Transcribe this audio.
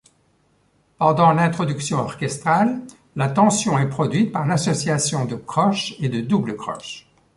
Pendant l'introduction orchestrale, la tension est produite par l'association de croches et de double-croches.